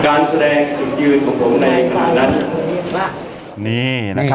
การแสดงขายคุณยืนอภิษฎิ์ในขณะนั้น